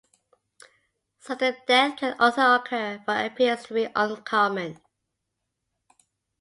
Sudden death can also occur but appears to be uncommon.